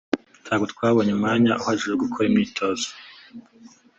“Ntabwo Twabonye umwanya uhagije wo gukora imyitozo